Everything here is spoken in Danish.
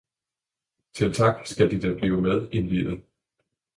Til tak skal de da blive med indviet